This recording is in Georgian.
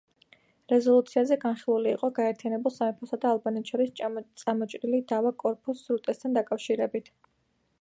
რეზოლუციაზე განხილული იყო გაერთიანებულ სამეფოსა და ალბანეთს შორის წამოჭრილი დავა კორფუს სრუტესთან დაკავშირებით.